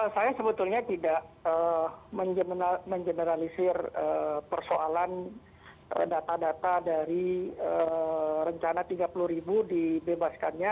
saya sebetulnya tidak mengeneralisir persoalan data data dari rencana tiga puluh ribu dibebaskannya